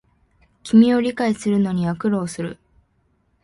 君を理解するのには苦労する